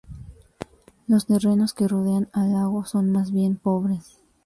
Los terrenos que rodean al lago son más bien pobres.